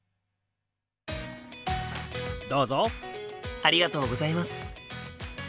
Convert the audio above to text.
ありがとうございます。